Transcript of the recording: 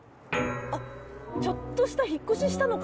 ちょっとした引っ越ししたのか。